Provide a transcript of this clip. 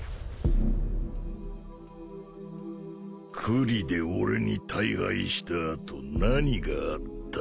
九里で俺に大敗した後何があった？